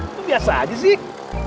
itu biasa aja sih